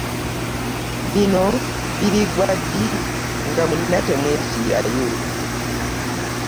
Bino biriggwa ddi nga mwenna temwefiirayo?